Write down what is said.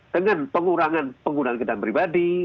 dengan pengurangan penggunaan kendaraan pribadi